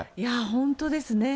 本当ですね。